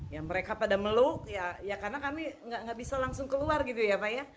ya mereka pada meluk ya karena kami nggak bisa langsung keluar gitu ya pak ya